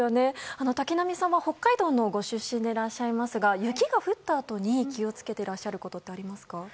瀧波さんは北海道のご出身でいらっしゃいますが雪が降ったあとに気を付けていることはありますか？